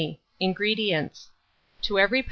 INGREDIENTS. To every lb.